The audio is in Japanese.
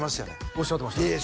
おっしゃってました